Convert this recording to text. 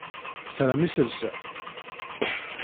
Tram iselsa?